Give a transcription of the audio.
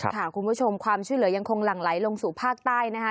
คุณผู้ชมความช่วยเหลือยังคงหลั่งไหลลงสู่ภาคใต้นะคะ